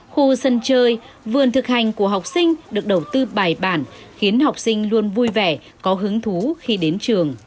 khu sân chơi vườn thực hành của học sinh được đầu tư bài bản khiến học sinh luôn vui vẻ có hứng thú khi đến trường